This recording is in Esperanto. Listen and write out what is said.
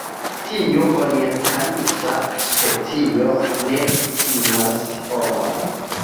Tiu orientalisa specio ne timas homojn.